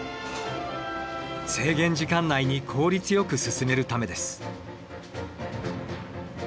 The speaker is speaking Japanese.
制限時間内に効率よく進めるためです。